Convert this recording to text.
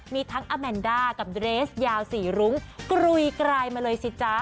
มีทั้งอแมนด้ากับเรสยาวสีรุ้งกรุยกลายมาเลยสิจ๊ะ